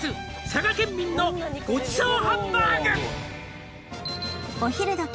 「佐賀県民のごちそうハンバーグ」お昼時